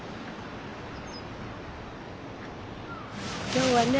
今日はね